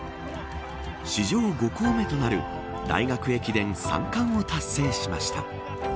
史上５校目となる大学駅伝３冠を達成しました。